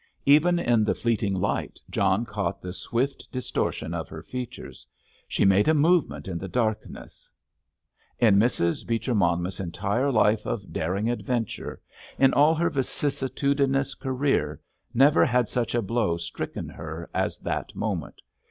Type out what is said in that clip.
Even in the fleeting light John caught the swift distortion of her features. She made a movement in the darkness—— In Mrs. Beecher Monmouth's entire life of daring adventure, in all her vicissitudinous career, never had such a blow stricken her as that moment.